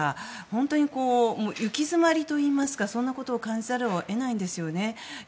本当に行き詰まりといいますかそんなことを感じざるを得ないんですよね。